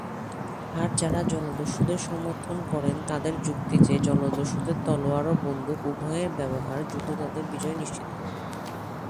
আর যারা জলদস্যুদের সমর্থন করেন তাদের যুক্তি যে, জলদস্যুদের তরোয়াল ও বন্দুক উভয়ের ব্যবহার যুদ্ধে তাদের বিজয় নিশ্চিত করবে।